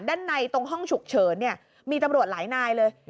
ด้านในตรงห้องฉุกเฉินเนี่ยมีตำรวจหลายนายเลย